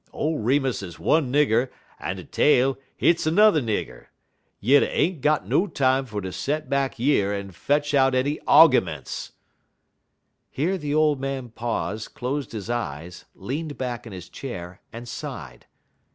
Ole Remus is one nigger en de tale, hit's a n'er nigger. Yit I ain't got no time fer ter set back yer en fetch out de oggyments." Here the old man paused, closed his eyes, leaned back in his chair, and sighed.